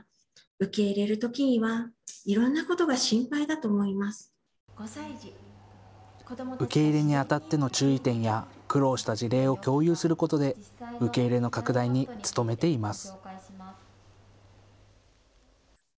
受け入れにあたっての注意点や苦労した事例を共有することで受け入れの拡大に努めています。